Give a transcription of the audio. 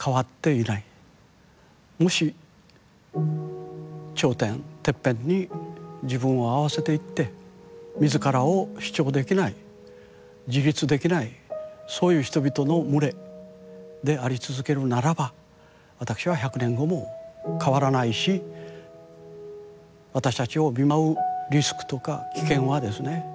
もし頂点てっぺんに自分を合わせていって自らを主張できない自立できないそういう人々の群れであり続けるならば私は１００年後も変わらないし私たちを見舞うリスクとか危険はですね